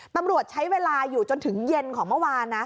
ตำรวจใช้เวลาอยู่จนถึงเย็นของเมื่อวานนะ